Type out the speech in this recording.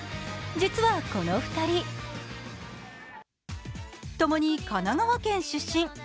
実はこの２人、ともに神奈川県出身。